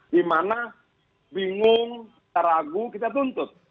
di mana bingung ragu kita tuntut